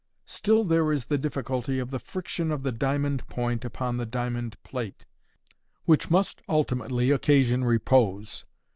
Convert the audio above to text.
Still there is the difficulty of the friction of the diamond point upon the diamond plate, which must ultimately occasion repose.